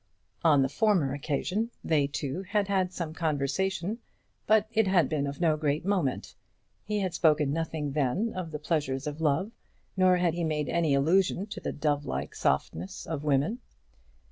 On the former occasion they two had had some conversation, but it had been of no great moment. He had spoken nothing then of the pleasures of love, nor had he made any allusion to the dove like softness of women.